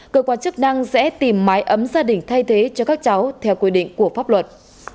cơ quan chức năng sẽ tìm mái ấm gia đình thay thế cho các cháu theo quy định của pháp luật